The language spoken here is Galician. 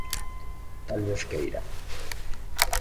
Talvez queira.